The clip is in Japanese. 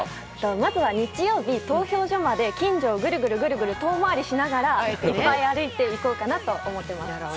まずは日曜日投票所まで近所をぐるぐる遠回りしながら歩いて行こうと思っています。